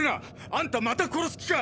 あんたまた殺す気か！